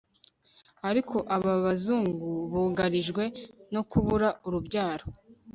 ariko aba bazungu bugarijwe no kubura urubyaro